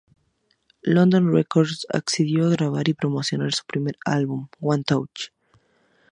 London Records accedió a grabar y promocionar su primer álbum, One Touch.